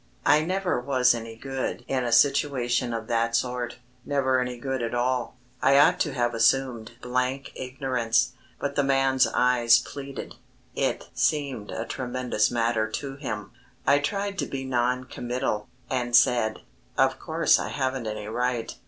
I never was any good in a situation of that sort, never any good at all. I ought to have assumed blank ignorance, but the man's eyes pleaded; it seemed a tremendous matter to him. I tried to be non committal, and said: "Of course I haven't any right."